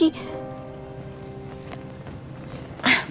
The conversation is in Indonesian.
dan kalau semua laki laki